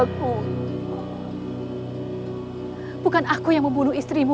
kenapa kau membunuh istriku